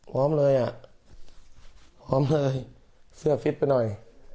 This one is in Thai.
พร้อมเลยอ่ะพร้อมเลยเสื้อฟิตไปหน่อย